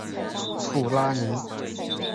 普拉尼。